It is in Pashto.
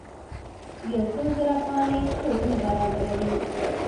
یو څو زره افغانۍ څوک نه برابروي.